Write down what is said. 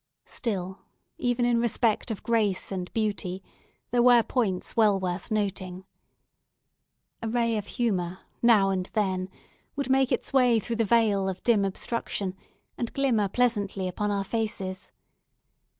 Still, even in respect of grace and beauty, there were points well worth noting. A ray of humour, now and then, would make its way through the veil of dim obstruction, and glimmer pleasantly upon our faces.